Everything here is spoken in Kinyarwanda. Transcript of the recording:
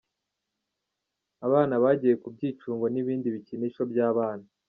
Abana bagiye ku byicungo n'ibindi bikinisho by'abana.